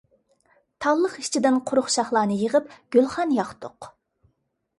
تاللىق ئىچىدىن قۇرۇق شاخلارنى يىغىپ گۈلخان ياقتۇق.